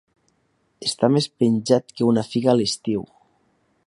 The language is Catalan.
Estar més penjat que una figa a l'estiu.